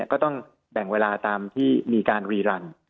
ก็ต้องแบ่งเวลาตามที่มีการรีรัน